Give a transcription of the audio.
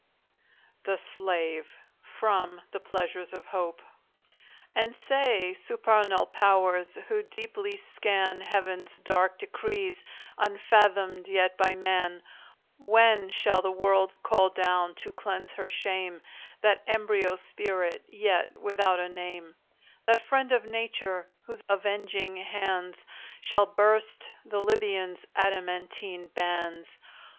THE SLAVE From the 'Pleasures of Hope' And say, supernal Powers! who deeply scan Heaven's dark decrees, unfathomed yet by man, When shall the world call down, to cleanse her shame, That embryo spirit, yet without a name, That friend of Nature, whose avenging hands Shall burst the Libyan's adamantine bands?